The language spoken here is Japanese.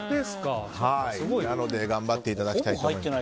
なので頑張っていただきたいと思います。